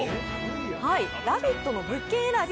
「ラヴィット！」の物件選び